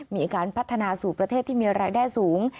มีการพัฒนาสู่ประเทศที่มีรายได้สูง